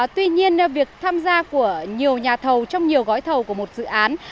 tuy nhiên việc tham gia của nhiều nhà thầu trong nhiều gói thầu của một dự án